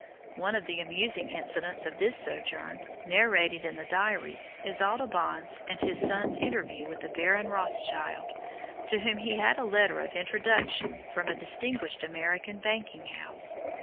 One of the amusing incidents of this sojourn, narrated in the diaries, is Audubon's and his son's interview with the Baron Rothschild, to whom he had a letter of introduction from a distinguished American banking house.